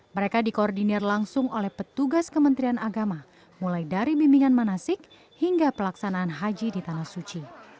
mereka dikoordinir langsung oleh petugas kementerian agama mulai dari bimbingan manasik hingga pelaksanaan haji di tanah suci